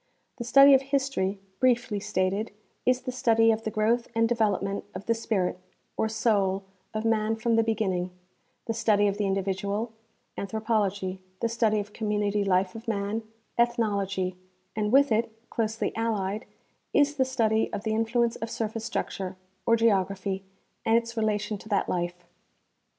The study of history, briefly stated, is the study of the growth and development of the spirit, or soul, of man from the begin ning ; the study of the individual, anthropology ; the study of community life of man, ethnology ; and with it, closely allied, is the study of the influence of surface structure, or geography, and its relation to that life.